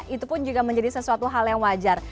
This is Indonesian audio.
itu pun juga menjadi sesuatu hal yang wajar